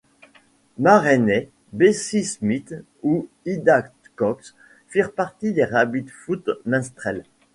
Ma Rainey, Bessy Smith ou Ida Cox firent partie des Rabbit's Foot Minstrels.